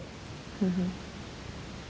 so far saya kira cukup baik